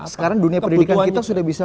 sekarang dunia pendidikan kita sudah bisa